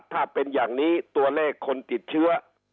ถ้าเป็นอย่างนี้ตัวเลขคนติดเชื้อ